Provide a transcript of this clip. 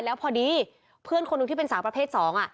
แล้วพอดีเพื่อนคนหนึ่งที่เป็นสาวประเภท๒